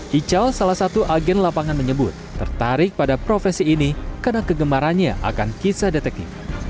kicau salah satu agen lapangan menyebut tertarik pada profesi ini karena kegemarannya akan kisah deteksi